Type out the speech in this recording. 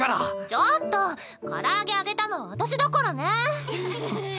ちょっと唐揚げ揚げたの私だからね。